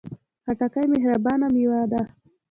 خټکی مهربانه میوه ده.